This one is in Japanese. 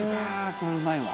これは、うまいわ。